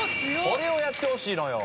「これをやってほしいのよ」